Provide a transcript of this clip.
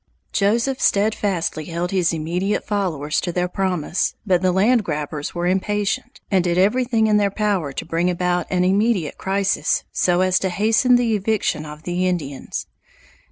Joseph steadfastly held his immediate followers to their promise, but the land grabbers were impatient, and did everything in their power to bring about an immediate crisis so as to hasten the eviction of the Indians.